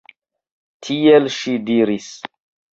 Tiel ŝi diris.